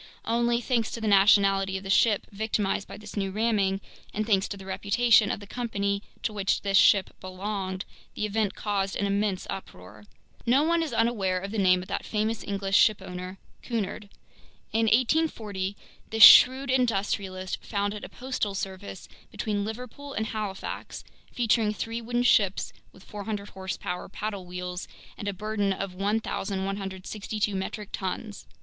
Only, thanks to the nationality of the ship victimized by this new ramming, and thanks to the reputation of the company to which this ship belonged, the event caused an immense uproar. No one is unaware of the name of that famous English shipowner, Cunard. In 1840 this shrewd industrialist founded a postal service between Liverpool and Halifax, featuring three wooden ships with 400 horsepower paddle wheels and a burden of 1,162 metric tons.